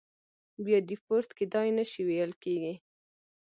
بیا دیپورت کېدای نه شي ویل کېږي.